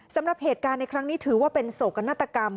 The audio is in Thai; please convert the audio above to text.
สำหรับเหตุการณ์ในครั้งนี้ถือว่าเป็นโศกนาฏกรรม